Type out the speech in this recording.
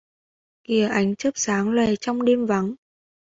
Kìa ánh chớp sáng loè trong đêm vắng